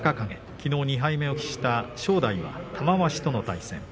きのう２敗目、正代は玉鷲との対戦。